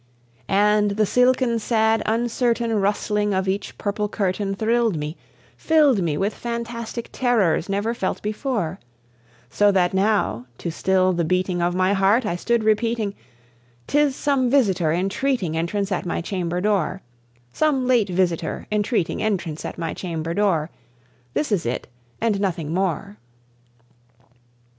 And the silken, sad, uncertain rustling of each purple curtain Thrilled me filled me with fantastic terrors never felt before; So that now, to still the beating of my heart, I stood repeating, "'Tis some visitor entreating entrance at my chamber door Some late visitor entreating entrance at my chamber door: This it is, and nothing more."